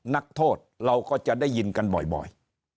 นักโทษเราก็จะได้ยินกันบ่อย